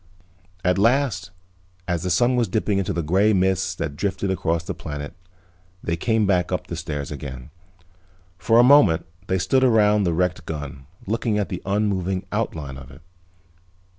At last, as the sun was dipping into the gray mists that drifted across the planet they came back up the stairs again. For a moment they stood around the wrecked gun looking at the unmoving outline of it.